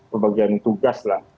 pembagian tugas lah